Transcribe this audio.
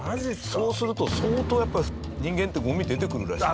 そうすると相当やっぱり人間ってゴミ出てくるらしいです。